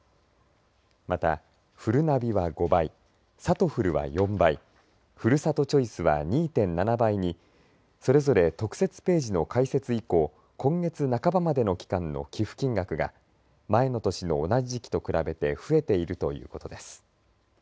また、ふるなびは５倍さとふるは４倍ふるさとチョイスは２．７倍にそれぞれ特設ページの開設以降今月半ばまでの期間の寄付金額が前の年の同じ時期と比べて増えているということです。